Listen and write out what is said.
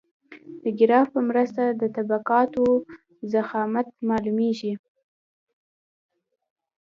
د ګراف په مرسته د طبقاتو ضخامت معلومیږي